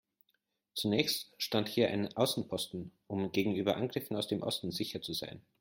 Zunächst stand hier ein Außenposten, um gegenüber Angriffen aus dem Osten sicher zu sein.